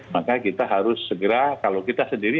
maka kita harus segera kalau kita sendiri